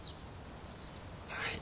はい。